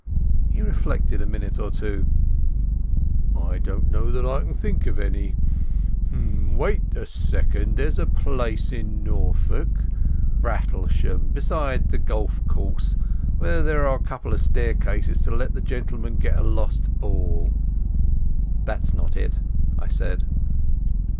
He reflected a minute or two. "I don't know that I can think of any. Wait a second. There's a place in Norfolk—Brattlesham—beside a golf course, where there are a couple of staircases, to let the gentlemen get a lost ball." "That's not it," I said.